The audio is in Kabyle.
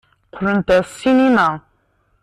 Qqlent ɣer ssinima.